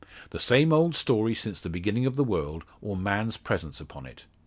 The same old story, since the beginning of the world, or man's presence upon it.